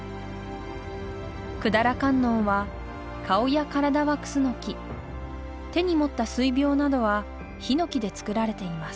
百済観音は顔や体はクスノキ手に持った水瓶などはヒノキで作られています